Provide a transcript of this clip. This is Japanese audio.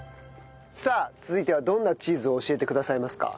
さあ続いてはどんなチーズを教えてくださいますか？